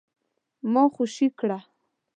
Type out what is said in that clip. ما خوشي کړه ؟